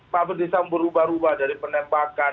pabertisan berubah ubah dari penembakan